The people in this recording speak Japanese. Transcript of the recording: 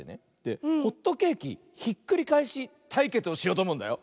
ホットケーキひっくりかえしたいけつをしようとおもうんだよ。